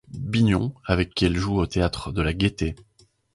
Bignon avec qui elle joue au théâtre de la Gaité.